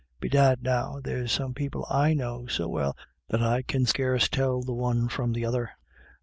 Bedad, now, there's some people / know so well that I can scarce tell the one from the other."